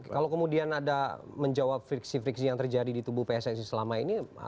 kalau kemudian ada menjawab friksi friksi yang terjadi di tubuh pssi selama ini